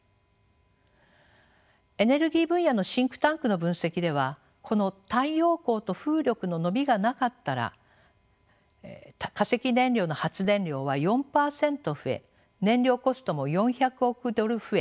エネルギー分野のシンクタンクの分析ではこの太陽光と風力の伸びがなかったら化石燃料の発電量は４％増え燃料コストも４００億ドル増え